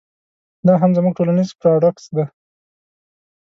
دا هم زموږ ټولنیز پراډوکس دی.